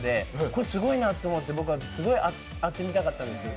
これ、すごいなと思って僕は会ってみたかったんです。